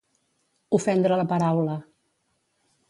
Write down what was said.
Ofendre la paraula.